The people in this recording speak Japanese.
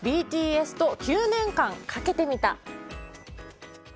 ＢＴＳと９年間、かけてみた。